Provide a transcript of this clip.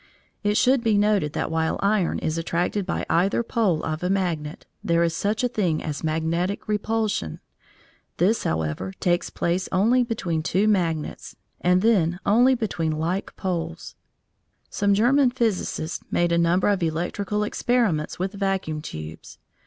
It should be noted that while iron is attracted by either pole of a magnet, there is such a thing as magnetic repulsion. This, however, takes place only between two magnets, and then only between like poles. Some German physicists made a number of electrical experiments with vacuum tubes.